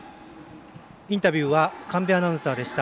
インタビューは神戸アナウンサーでした。